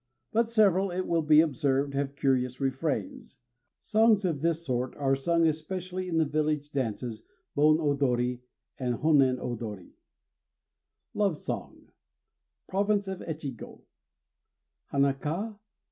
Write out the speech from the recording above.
But several, it will be observed, have curious refrains. Songs of this sort are sung especially at the village dances Bon odori and Hônen odori: LOVE SONG (Province of Echigo) Hana ka?